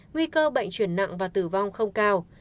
nguy cơ bệnh chuyển nặng và tử vong không cao